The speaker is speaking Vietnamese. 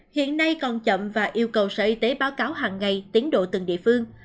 hiện nay còn chậm và yêu cầu sở y tế báo cáo hàng ngày tiến độ từng địa phương